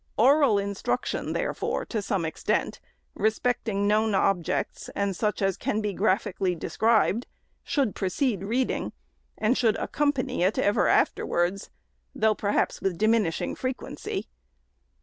Oral instruction, therefore, to some extent, respecting known objects and such as can be graphically described, should precede reading; and should accompany it ever afterwards, though, perhaps, with diminishing frequency.